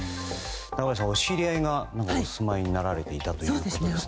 中林さん、知り合いがお住まいになられていたんですね。